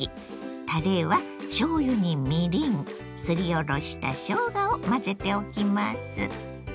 たれはしょうゆにみりんすりおろしたしょうがを混ぜておきます。